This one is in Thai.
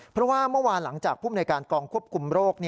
เพราะว่าเมื่อวานหลังจากภูมิในการกองควบคุมโรค